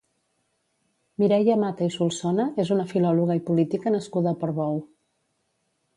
Mireia Mata i Solsona és una filòloga i política nascuda a Portbou.